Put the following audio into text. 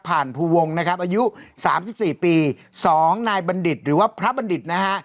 ผ่านภูวงนะครับอายุสามสิบสี่ปีสองนายบัณฑิตหรือว่าพระบัณฑิตนะฮะ